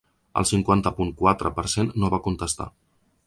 El cinquanta punt quatre per cent no va contestar.